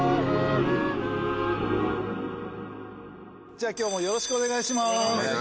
じゃあ今日もよろしくお願いします！